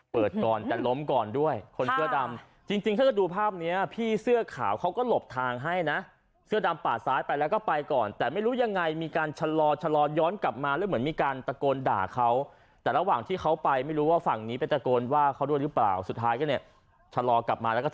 เปิดก่อนแต่ล้มก่อนด้วยคนเสื้อดำจริงจริงถ้าจะดูภาพเนี้ยพี่เสื้อขาวเขาก็หลบทางให้นะเสื้อดำปาดซ้ายไปแล้วก็ไปก่อนแต่ไม่รู้ยังไงมีการชะลอชะลอย้อนกลับมาแล้วเหมือนมีการตะโกนด่าเขาแต่ระหว่างที่เขาไปไม่รู้ว่าฝั่งนี้ไปตะโกนว่าเขาด้วยหรือเปล่าสุดท้ายก็เนี่ยชะลอกลับมาแล้วก็